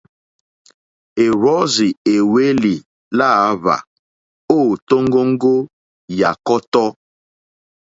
Èwɔ́rzì èhwélì lǎhwà ô tóŋgóŋgó yà kɔ́tɔ́.